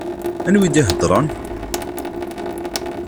Anwa i d-ihedṛen?